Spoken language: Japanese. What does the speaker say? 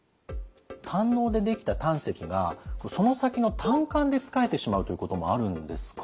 胆のうでできた胆石がその先の胆管でつかえてしまうということもあるんですか？